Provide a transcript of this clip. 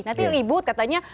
nanti ribut katanya